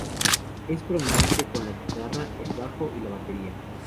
Es prominente con la guitarra, el bajo y la batería.